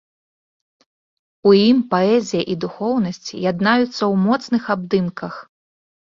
У ім паэзія і духоўнасць яднаюцца ў моцных абдымках.